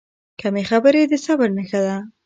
کمې خبرې، د صبر نښه ده.